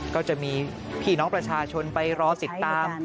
ก็จะมีพี่น้องประชาชนไปรอติดตาม